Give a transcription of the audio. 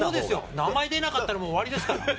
名前が出なかったら終わりですから。